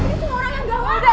ini semua orang yang gawat